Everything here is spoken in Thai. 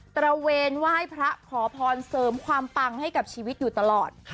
ระเวนไหว้พระขอพรเสริมความปังให้กับชีวิตอยู่ตลอด